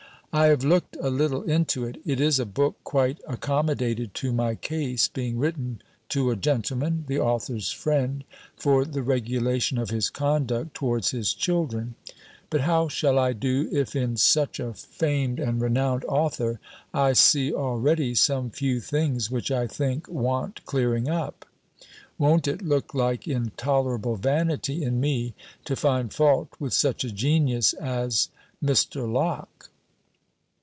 I have looked a little into it. It is a book quite accommodated to my case, being written to a gentleman, the author's friend, for the regulation of his conduct towards his children. But how shall I do, if in such a famed and renowned author, I see already some few things, which I think want clearing up. Won't it look like intolerable vanity in me, to find fault with such a genius as Mr. Locke?